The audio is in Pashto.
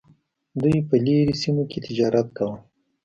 دوی په لرې سیمو کې تجارت کاوه.